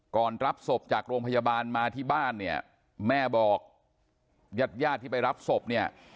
รับศพจากโรงพยาบาลมาที่บ้านเนี่ยแม่บอกญาติญาติที่ไปรับศพเนี่ย